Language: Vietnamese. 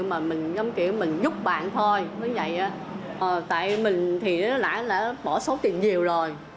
mình giống kiểu mình giúp bạn thôi tại mình thì đã bỏ số tiền nhiều rồi